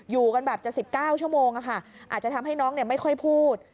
อยู่กันแบบจะ๑๙ชั่วโมงอาจจะทำให้น้องไม่ค่อยพูด